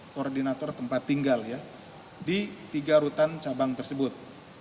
koordinator tempat tinggal ya di tiga rutan cabang tersebut